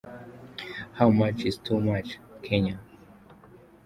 How Much Is Too Much – Kenya.